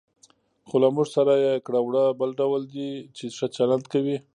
خو له موږ سره یې کړه وړه بل ډول دي، چې ښه چلند کوي.